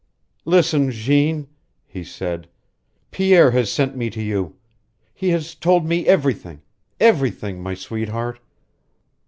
"Listen, Jeanne," he said. "Pierre has sent me to you. He has told me everything everything, my sweetheart.